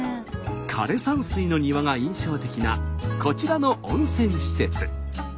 枯れ山水の庭が印象的なこちらの温泉施設。